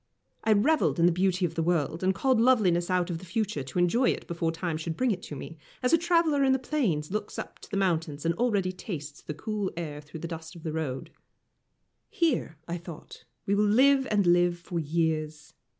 I revelled in the beauty of the world, and called loveliness out of the future to enjoy it before time should bring it to me, as a traveller in the plains looks up to the mountains, and already tastes the cool air through the dust of the road. Here, I thought, we will live and live for years.